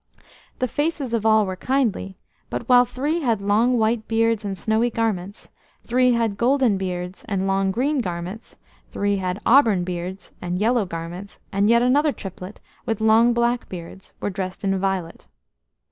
The faces of all were kindly, but while three had long white beards and snowy garments, three had golden beards and long green garments, three had auburn beards and yellow garments, and yet another triplet, with long black beards, were dressed in violet.